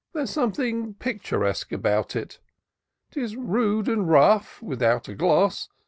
There's something picturesque about it : 'Tis rude and rough, without a gloss.